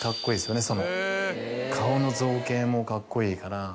顔の造形もカッコいいから。